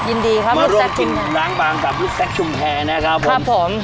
ยินดีครับลูกแซ็กชุมแพร่